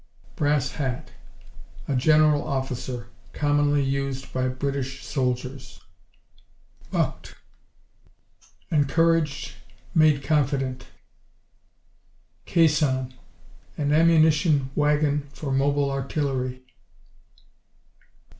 Brass hat A General Officer, commonly used by British soldiers. Bucked Encouraged, made confident. Caisson An ammunition wagon for mobile artillery.